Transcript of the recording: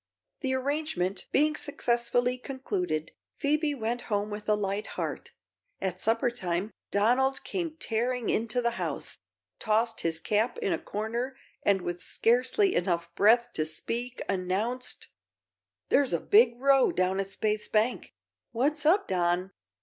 The arrangement being successfully concluded, Phoebe went home with a light heart. At suppertime Donald came tearing into the house, tossed his cap in a corner and with scarcely enough breath to speak announced: "There's a big row down at Spaythe's Bank!" "What's up, Don?"